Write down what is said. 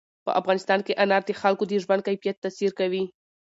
په افغانستان کې انار د خلکو د ژوند کیفیت تاثیر کوي.